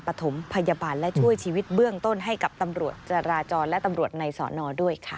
ปฐมพยาบาลและช่วยชีวิตเบื้องต้นให้กับตำรวจจราจรและตำรวจในสอนอด้วยค่ะ